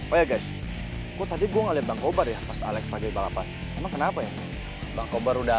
oh ya guys kok tadi gua ngeliat bangkobar ya pas alex lagi balapan emang kenapa ya bangkobar udah